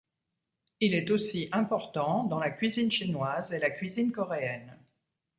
Il est aussi important dans la cuisine chinoise et la cuisine coréenne.